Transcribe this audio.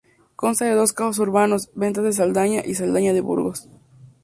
Consta de dos cascos urbanos: Ventas de Saldaña y Saldaña de Burgos.